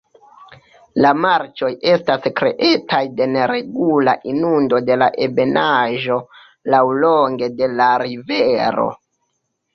La marĉoj estas kreataj de neregula inundo de la ebenaĵo laŭlonge de la rivero.